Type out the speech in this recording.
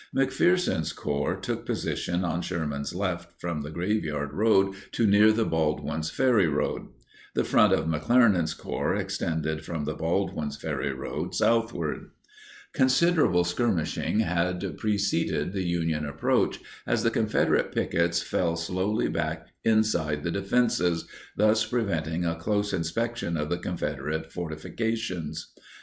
McPherson's Corps took position on Sherman's left from the Graveyard Road to near the Baldwin's Ferry Road; the front of McClernand's Corps extended from the Baldwin's Ferry Road southward. Considerable skirmishing had preceded the Union approach, as the Confederate pickets fell slowly back inside the defenses, thus preventing a close inspection of the Confederate fortifications.